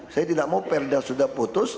saya tidak mau perda sudah putus